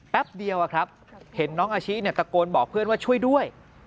แป๊บเดียวครับเห็นน้องอาชิตะโกนบอกเพื่อนว่าช่วยด้วย